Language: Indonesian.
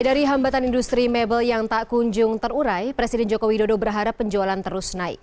dari hambatan industri mebel yang tak kunjung terurai presiden jokowi dodo berharap penjualan terus naik